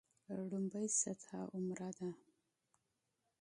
لومړۍ سطح عمره ده.